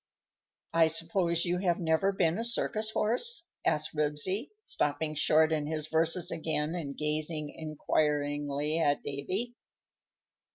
_ "I suppose you have never been a circus horse?" said Ribsy, stopping short in his verses again and gazing inquiringly at Davy.